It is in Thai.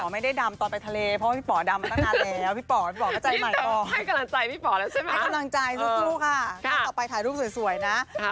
ไม่ต้องตื่นเต้น